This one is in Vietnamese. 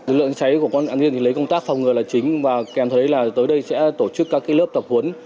lực lượng cháy của con nhân thì lấy công tác phòng ngừa là chính và kèm thấy là tới đây sẽ tổ chức các lớp tập huấn